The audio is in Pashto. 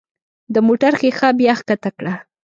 د موټر ښيښه بیا ښکته کړه.